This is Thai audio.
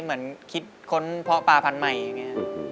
เหมือนคิดค้นเพาะปลาพันธุ์ใหม่อย่างนี้